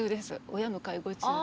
親の介護中です。